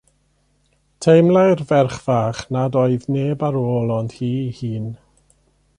Teimlai'r ferch fach nad oedd neb ar ôl ond hi'i hun.